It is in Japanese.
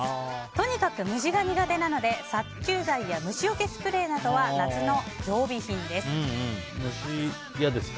とにかく虫が苦手なので殺虫剤や虫よけスプレーなどは虫、嫌ですか？